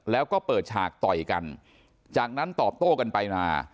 แล้วก็เปิดฉากต่อยกันจากนั้นตอบโต้กันไปมา